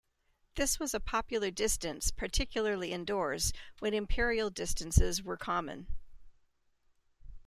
This was a popular distance, particularly indoors, when imperial distances were common.